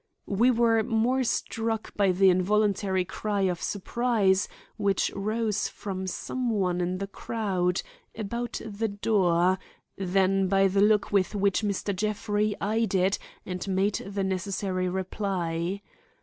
we were more struck by the involuntary cry of surprise which rose from some one in the crowd about the door, than by the look with which Mr. Jeffrey eyed it and made the necessary reply.